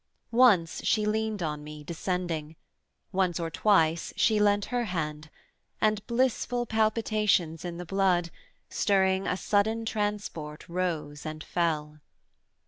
Once she leaned on me, Descending; once or twice she lent her hand, And blissful palpitations in the blood, Stirring a sudden transport rose and fell.